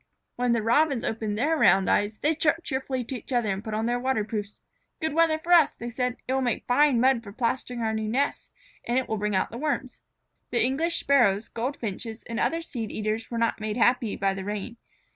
When the Robins opened their round eyes, they chirped cheerfully to each other and put on their waterproofs. "Good weather for us," they said. "It will make fine mud for plastering our new nests, and it will bring out the Worms." The English Sparrows, Goldfinches, and other seed eaters were not made happy by the rain.